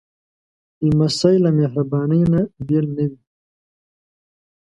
لمسی له مهربانۍ نه بېل نه وي.